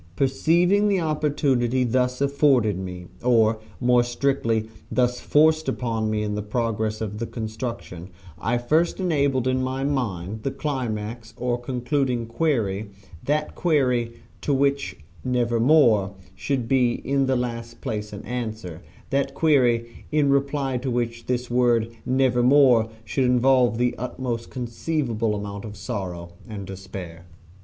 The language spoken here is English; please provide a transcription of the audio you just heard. Perceiving the opportunity thus afforded me, or, more strictly, thus forced upon me in the progress of the construction, I first established in my mind the climax or concluding query that query to which "Nevermore" should be in the last place an answer that query in reply to which this word "Nevermore" should involve the utmost conceivable amount of sorrow and despair.